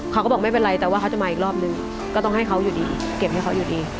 เขาก็บอกไม่เป็นไรแต่ว่าเขาจะมาอีกรอบนึงก็ต้องให้เขาอยู่ดีเก็บให้เขาอยู่ดี